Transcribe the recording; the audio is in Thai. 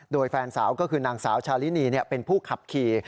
โดยแฟนสาวก็คือนางสาวชาลินีเป็นผู้ขับขี่